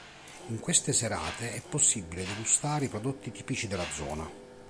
In queste serate è possibile degustare i prodotti tipici della zona.